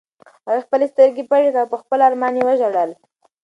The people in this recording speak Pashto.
هغې خپلې سترګې پټې کړې او په خپل ارمان یې وژړل.